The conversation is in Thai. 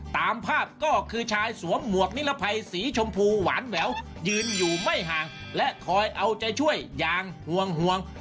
ตามภาพก็คือชายสวมหมวกนิรภัยสีชมพูหวานแหววยืนอยู่ไม่ห่างและคอยเอาใจช่วยอย่างห่วง